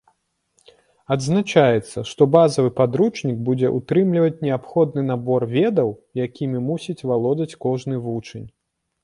Адзначаецца, што базавы падручнік будзе ўтрымліваць неабходны набор ведаў, якімі мусіць валодаць кожны вучань.